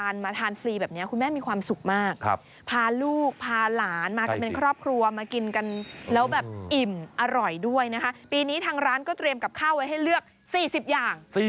อร่อยด้วยนะคะปีนี้ทางร้านก็เตรียมกับข้าวไว้ให้เลือก๔๐อย่าง